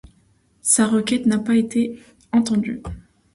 Sa requête n'a pas été entendue.